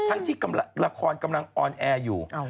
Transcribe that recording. ทั้งที่ละครกำลังออนแอร์อยู่